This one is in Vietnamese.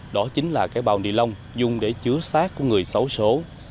đó chính là cái bào nilong dùng để chứa sát của người xấu số